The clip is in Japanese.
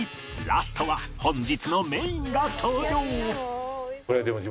ラストは本日のメインが登場